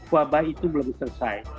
wabah itu belum selesai